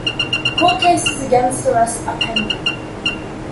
Court cases against the rest are pending.